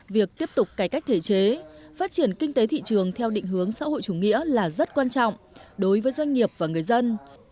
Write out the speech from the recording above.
việc tiếp tục cải cách thể chế phát triển kinh tế thị trường theo định hướng xã hội chủ nghĩa là rất quan trọng đối với doanh nghiệp và người dân